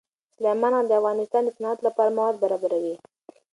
سلیمان غر د افغانستان د صنعت لپاره مواد برابروي.